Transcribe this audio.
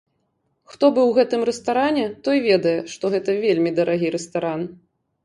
Хто быў у гэтым рэстаране, той ведае, што гэта вельмі дарагі рэстаран.